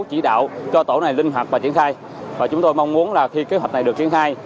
chỉ đạo cho tổ này linh hoạt và triển khai và chúng tôi mong muốn là khi kế hoạch này được triển khai